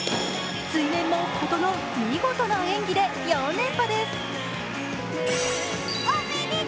水面も、ととのう見事な演技で４連覇です。